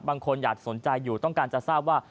บางคนอยากสนใจอยู่ต้องการจะทราบว่า